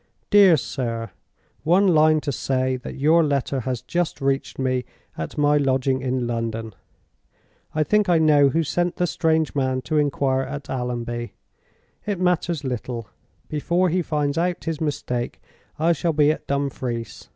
"DEAR SIR, "One line to say that your letter has just reached me at my lodging in London. I think I know who sent the strange man to inquire at Allonby. It matters little. Before he finds out his mistake, I shall be at Dumfries.